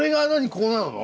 こうなるの？